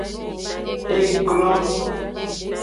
E glon.